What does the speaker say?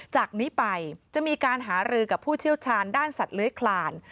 จากนี้ไปจะมีการหารือกับผู้เชี่ยวชาญด้านสัตว์เลื้อยคลาน